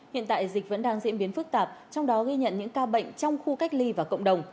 hiện tại dịch vẫn đang diễn biến phức tạp trong đó ghi nhận những ca bệnh trong khu cách ly và cộng đồng